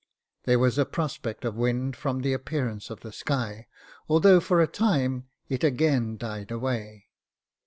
There was a prospect of wind from the appearance of the sky, although, for a time, it again died away.